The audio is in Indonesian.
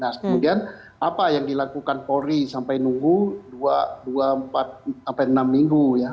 nah kemudian apa yang dilakukan polri sampai nunggu dua empat sampai enam minggu ya